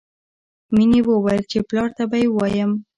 مینې وویل چې پلار ته به ووایم